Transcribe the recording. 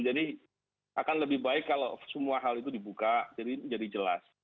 jadi akan lebih baik kalau semua hal itu dibuka jadi menjadi jelas